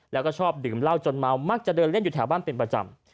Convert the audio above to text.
แล้วก็ชอบดื่มเหล้าจนเมามักจะเดินเล่นอยู่แถวบ้านเป็นประจำ